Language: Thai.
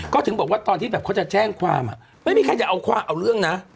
ก็ถึงบอกว่าตอนที่แบบเขาจะแจ้งความไม่มีใครจะเอาเรื่องนะ